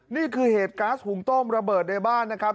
นี่คือเหตุก๊าซหุงต้มระเบิดในบ้านนะครับ